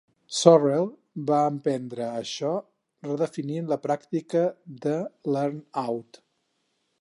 Sorrell va emprendre això redefinint la pràctica de l'"earn-out".